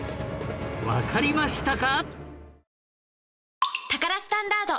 わかりましたか？